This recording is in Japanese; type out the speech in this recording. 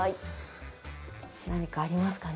何かありますかね？